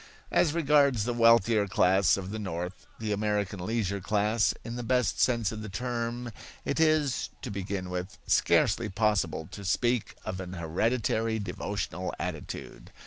As regards the wealthier class of the North, the American leisure class in the best sense of the term, it is, to begin with, scarcely possible to speak of an hereditary devotional attitude.